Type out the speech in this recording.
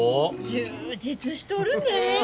充実しとるねえ。